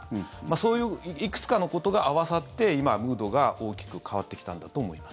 そういういくつかのことが合わさって今、ムードが大きく変わってきたんだと思います。